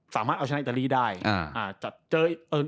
สามารถเอาชนะอิตาลีได้เจอ